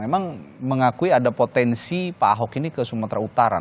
memang mengakui ada potensi pak ahok ini ke sumatera utara